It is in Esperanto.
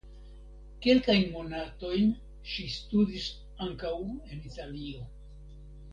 Kelkajn monatojn ŝi studis ankaŭ en Italio.